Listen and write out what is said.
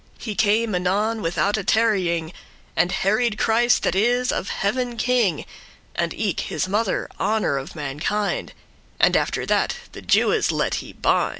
He came anon withoute tarrying, And heried* Christ, that is of heaven king, *praised And eke his mother, honour of mankind; And after that the Jewes let* he bind.